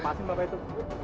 lepasin bapak itu